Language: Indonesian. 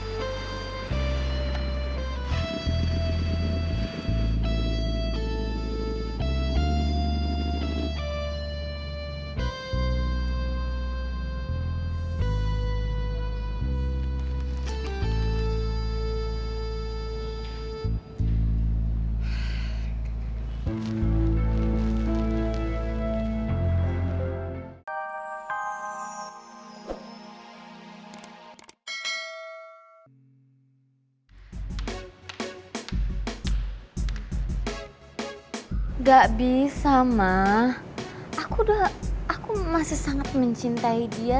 sampai jumpa di video selanjutnya